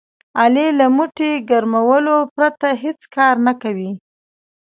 علي له موټي ګرمولو پرته هېڅ کار نه کوي.